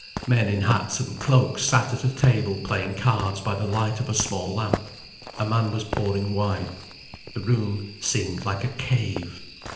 Men in hats and cloaks sat at a table playing cards by the light of a small lamp, a man was pouring wine. The room seemed like a cave.